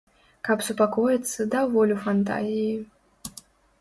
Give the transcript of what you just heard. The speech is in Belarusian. Каб супакоіцца, даў волю фантазіі.